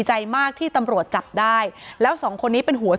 อ๋อเจ้าสีสุข่าวของสิ้นพอได้ด้วย